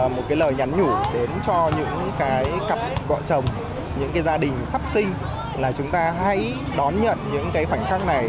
một cái lời nhắn nhủ đến cho những cái cặp vợ chồng những cái gia đình sắp sinh là chúng ta hãy đón nhận những cái khoảnh khắc này